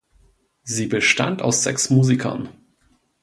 Sie bestand aus sechs Musikern.